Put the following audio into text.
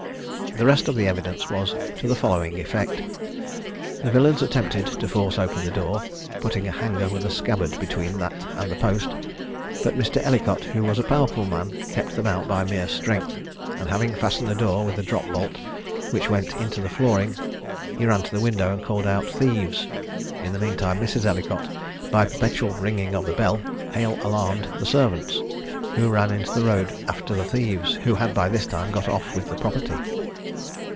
The rest of the evidence was to the following effect: The villains attempted to force open the door, putting a hanger with a scabbard between that and the post; but Mr. Ellicott, who was a powerful man, kept them out by mere strength, and having fastened the door with a drop bolt, which went into the flooring, he ran to the window, and called out "Thieves!" In the mean time Mrs. Ellicott, by perpetual ringing of the bell, hail alarmed the servants, who ran into the road after the thieves, who had by this time got off with the property.